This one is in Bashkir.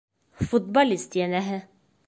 Футболист, йәнәһе...